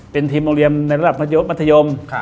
เป็นทีมโรงเรียนในระดับมัธยดมัธยม